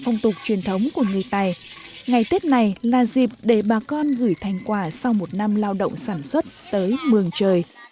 ngày tết này là dịp để bà con gửi thành quả sau một năm lao động sản xuất tới mường trời